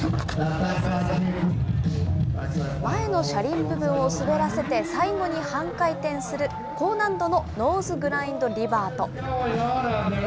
前の車輪部分を滑らせて、最後に半回転する高難度のノーズグラインドリバート。